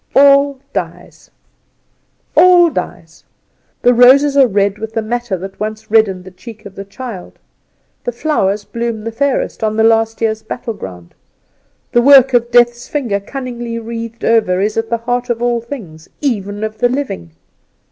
All dies, all dies! the roses are red with the matter that once reddened the cheek of the child; the flowers bloom the fairest on the last year's battleground; the work of death's finger cunningly wreathed over is at the heart of all things, even of the living.